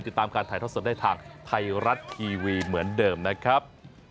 ติดตามการถ่ายทอดสดได้ทางไทยรัฐทีวีเหมือนเดิมนะครับ